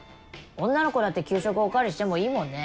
女の子だって給食お代わりしてもいいもんね。